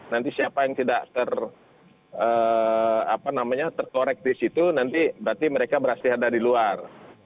nanti siapa yang tidak terkorek di situ nanti berarti mereka berhasil ada di luar